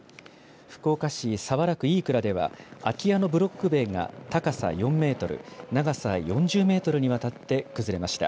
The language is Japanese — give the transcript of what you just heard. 福岡市早良区いいくらでは、空き家のブロック塀が高さ４メートル、長さ４０メートルにわたって崩れました。